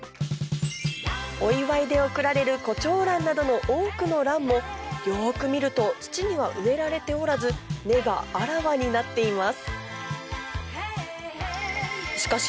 お祝いで贈られる胡蝶蘭などの多くの蘭もよく見ると土には植えられておらず根があらわになっています